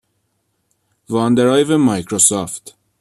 وان درایو مایکروسافت